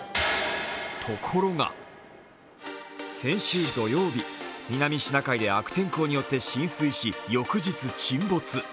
ところが先週土曜日、南シナ海で悪天候によって浸水し、翌日、沈没。